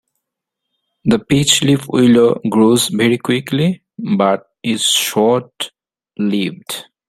The peachleaf willow grows very quickly, but is short-lived.